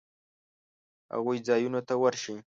هغو ځایونو ته ورشي